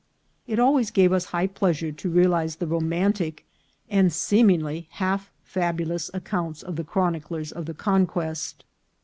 It always gave us high pleasure to realize the ro mantic and seemingly half fabulous accounts of the chroniclers of the conquest.